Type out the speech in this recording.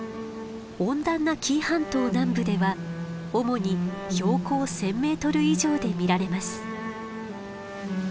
温暖な紀伊半島南部では主に標高１，０００メートル以上で見られます。